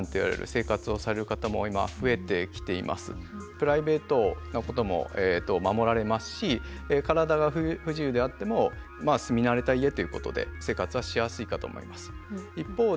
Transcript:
プライベートなことも守られますし体が不自由であっても住み慣れた家ということで生活はしやすいかと思います。